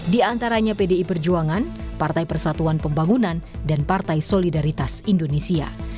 di antaranya pdi perjuangan partai persatuan pembangunan dan partai solidaritas indonesia